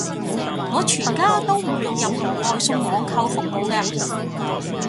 我全家都唔用任何外送網購服務嘅